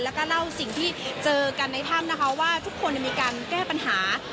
แล้วก็เล่าสิ่งที่เจอกันในถ้ำนะคะว่าทุกคนมีการแก้ปัญหา